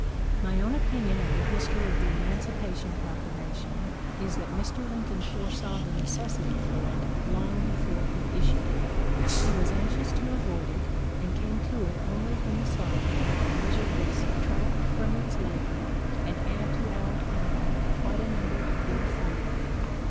" My own opinion of the history of the Emancipa tion Proclamation is that Mr. Lincoln foresaw the necessity for it long before he issued it. He was anxious to avoid it, and came to it only when he saw that the measure would subtract from its labor, and add to our army quite a number of good fight ing men.